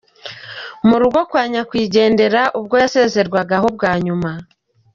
Mu rugo kwa Nyakwigendera, ubwo yasezerwagaho bwa nyuma.